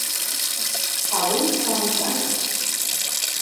Avui fa onze anys.